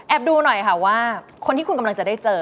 ดูหน่อยค่ะว่าคนที่คุณกำลังจะได้เจอ